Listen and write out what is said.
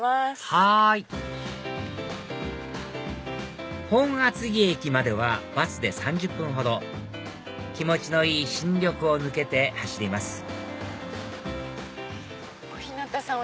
はい本厚木駅まではバスで３０分ほど気持ちのいい新緑を抜けて走ります小日向さん